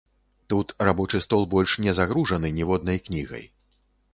Тут рабочы стол больш не загружаны ніводнай кнігай.